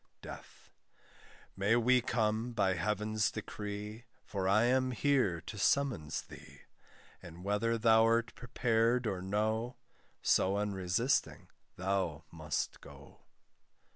DEATH. May we come, by heaven's decree, For I am here to summons thee; And whether thou'rt prepared or no, So unresisting thou must go.